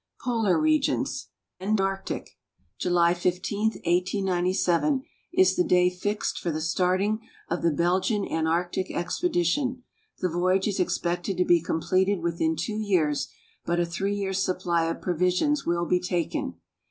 POLAR RlXiIOXS Antarctic. July 15, 1897, is the day fixed for the starting of the Bel gian Antarctic expedition. The voyage is expected to be completed within two years, but a three years' supply of provisions will be taken.